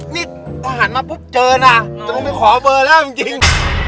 นี่อาหารมาปุ๊บเจินอ่ะจะต้องไปขอเบอร์แล้วจริง